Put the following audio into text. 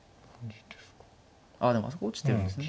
あでもあそこ落ちてるんですね。